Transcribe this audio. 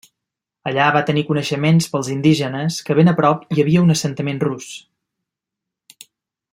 Allà va tenir coneixement pels indígenes que ben a prop hi havia un assentament rus.